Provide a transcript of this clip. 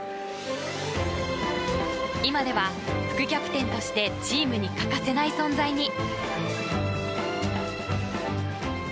今では、副キャプテンとしてチームに欠かせない存在に。